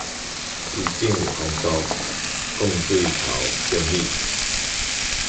伊真有風度，共對頭恭喜